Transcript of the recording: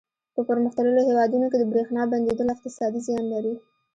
په پرمختللو هېوادونو کې د برېښنا بندېدل اقتصادي زیان لري.